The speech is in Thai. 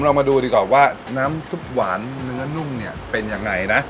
มาดูดีกว่าว่าน้ำซุปหวานเนื้อนุ่มเนี่ยเป็นยังไงนะ